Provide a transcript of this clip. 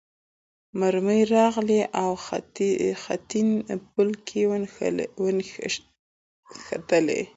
مرمۍ راغلې او په خټین پل کې ونښتلې.